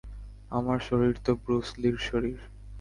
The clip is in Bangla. আমার শরীর তো ব্রুস লির শরীর।